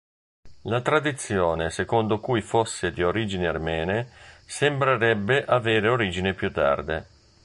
La tradizione secondo cui fosse di origini armene sembrerebbe avere origini più tarde.